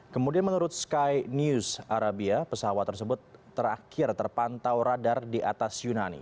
kemudian menurut sky news arabia pesawat tersebut terakhir terpantau radar di atas yunani